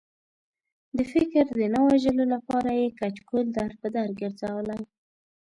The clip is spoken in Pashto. د فکر د نه وژلو لپاره یې کچکول در په در ګرځولی.